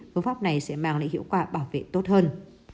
phương pháp này sẽ mang lại hiệu quả bảo vệ tốt hơn